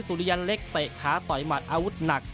สุริยันเล็กเตะขาต่อยหมัดอาวุธหนัก